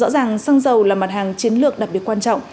rõ ràng xăng dầu là mặt hàng chiến lược đặc biệt quan trọng